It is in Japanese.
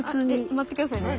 待って下さいね。